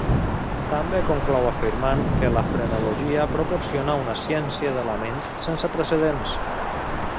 Combe conclou afirmant que la frenologia proporciona una ciència de la ment sense precedents.